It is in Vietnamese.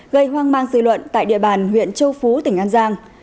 gây hoang mang dư luận tại địa bàn huyện châu phú tỉnh an giang